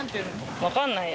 分かんないや。